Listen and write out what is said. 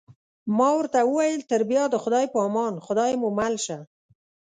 ما ورته وویل: تر بیا د خدای په امان، خدای مو مل شه.